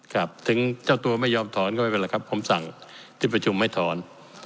ครับถึงเจ้าตัวไม่ยอมถอนก็ไม่เป็นไรครับผมสั่งที่ประชุมไม่ถอน